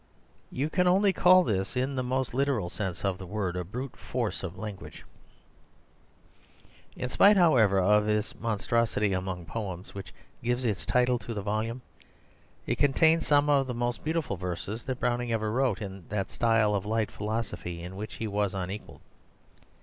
You can only call this, in the most literal sense of the word, the brute force of language. In spite however of this monstrosity among poems, which gives its title to the volume, it contains some of the most beautiful verses that Browning ever wrote in that style of light philosophy in which he was unequalled.